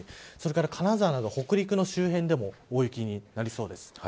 金沢など北陸の周辺でも大雪になりそうです。